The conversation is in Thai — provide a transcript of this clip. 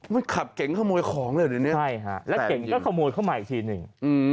มันขับเก่งขโมยของเลยแล้วเก่งก็ขโมยเข้ามาอีกทีหนึ่ง